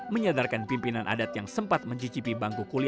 menyadarkan pimpinan adat yang sempat mencicipi bangku kulit